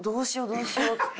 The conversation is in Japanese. どうしよう？」っつって。